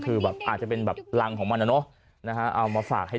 คือแบบอาจจะเป็นแบบรังของมันนะเนอะนะฮะเอามาฝากให้